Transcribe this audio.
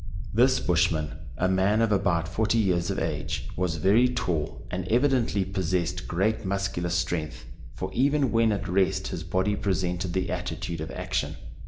This bushman, a man of about forty years of age, was very tall, and evidently possessed great muscular strength, for even when at rest his body presented the attitude of action.